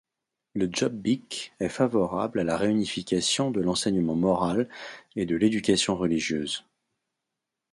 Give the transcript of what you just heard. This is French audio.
Le Jobbik est favorable à la réunification de l'enseignement moral et de l'éducation religieuse.